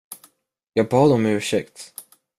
Jag bad om ursäkt.